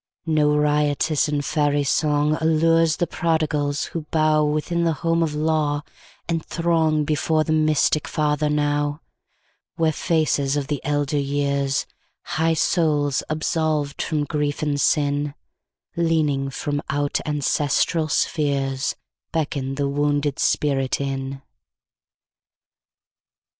No riotous and fairy songAllures the prodigals who bowWithin the home of law, and throngBefore the mystic Father now, Where faces of the elder years, High souls absolved from grief and sin, Leaning from out ancestral spheresBeckon the wounded spirit in.